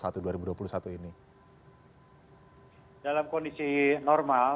dalam kondisi normal